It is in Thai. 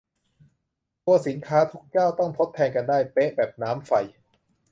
ตัวสินค้าทุกเจ้าต้องทดแทนกันได้เป๊ะ แบบน้ำไฟ